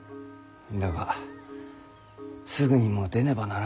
だがすぐにも出ねばならぬ。